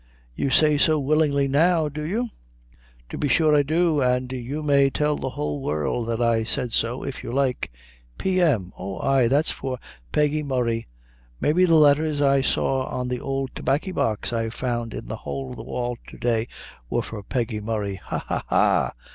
"You say so willingly, now do you?" "To be sure I do; an' you may tell the whole world that I said so, if you like." "P. M. oh, ay, that's for Peggy Murray maybe the letthers I saw on the ould tobaccy box I found in the hole of the wall to day were for Peggy Murray. Ha! ha! ha!